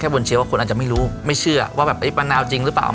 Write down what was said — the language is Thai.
บนเชียวคนอาจจะไม่รู้ไม่เชื่อว่าแบบไอ้มะนาวจริงหรือเปล่า